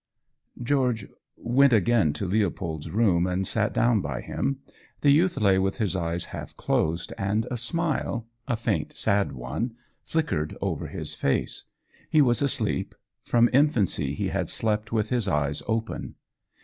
George went again to Leopold's room, and sat down by him. The youth lay with his eyes half closed, and a smile a faint sad one flickered over his face. He was asleep: from infancy he had slept with his eyes open.